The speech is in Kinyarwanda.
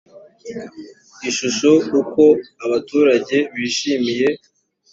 ishusho uko abaturage bishimiye